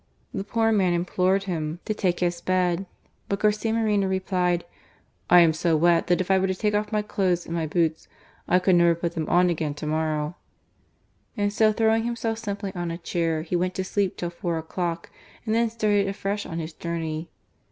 The poor man implored him to take his bed, but Garcia Moreno replied :" I am so wet that if I were to take off my clothes and my boots, I could never put them on again to morrow ;" and so throwing himself simply on a chair, he went to sleep till four o'clock, and then started afresh on his journey.